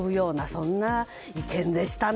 そんな意見でしたね。